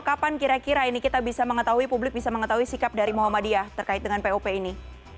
kapan kira kira ini kita bisa mengetahui publik bisa mengetahui sikap dari muhammadiyah terkait dengan pop ini